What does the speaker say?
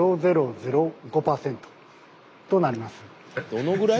どのぐらい？